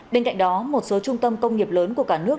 bên cạnh đó một số trung tâm công nghiệp lớn của cả nước